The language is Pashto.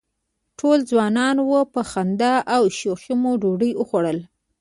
ټول ځوانان وو، په خندا او شوخۍ مو ډوډۍ وخوړله.